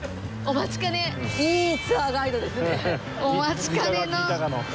お待ちかねの。